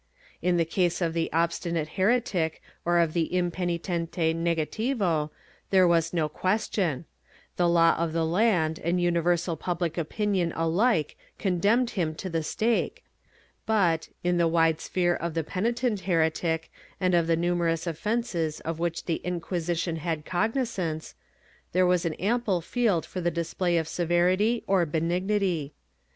In the case of the obstinate heretic or of the impenitente negativo there was no question ; the law of the land and universal pubHc opinion alike condenmed him to the stake but, in the wide sphere of the penitent heretic and of the numerous offences of which the Inquisition had cognizance, there was an ample field for the display of severity or benignity.